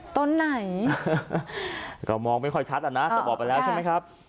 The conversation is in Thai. ต้นไหนก็มองไม่ค่อยชัดอ่ะนะแต่บอกไปแล้วใช่ไหมครับ